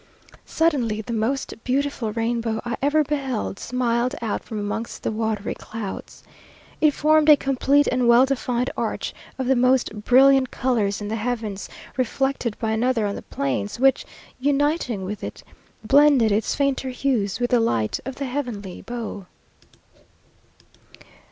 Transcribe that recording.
Suddenly, the most beautiful rainbow I ever beheld smiled out from amongst the watery clouds. It formed a complete and well defined arch of the most brilliant colours in the heavens, reflected by another on the plains, which, uniting with it, blended its fainter hues with the light of the heavenly bow.